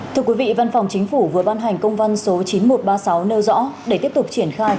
thưa quý vị văn phòng chính phủ vừa ban hành công văn số chín nghìn một trăm ba mươi sáu nêu rõ để tiếp tục triển khai